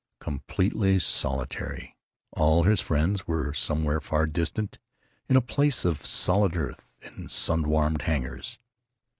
Completely solitary. All his friends were somewhere far distant, in a place of solid earth and sun warmed hangars.